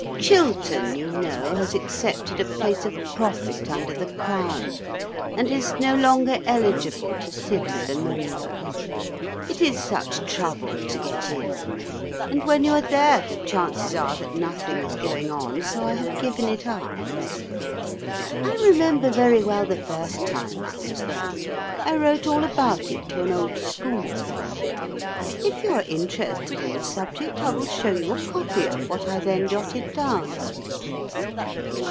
"Chiltern, you know, has accepted a place of profit under the Crown, and is no longer eligible to sit as a member. It is such trouble to get in, and when you are there the chances are that nothing is going on, so I have given it up. I remember very well the first time I was there. I wrote all about it to an old schoolfellow. If you are interested in the subject, I will show you a copy of what I then jotted down."